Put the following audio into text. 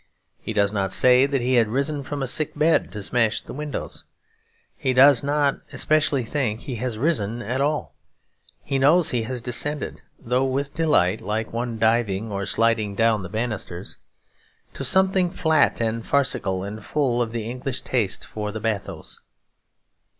He does not say that he had risen from a sick bed to smash the windows. He does not especially think he has risen at all; he knows he has descended (though with delight, like one diving or sliding down the banisters) to something flat and farcical and full of the English taste for the bathos.